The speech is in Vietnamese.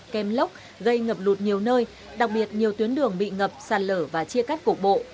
kem lốc gây ngập lụt nhiều nơi đặc biệt nhiều tuyến đường bị ngập sạt lở và chia cắt cục bộ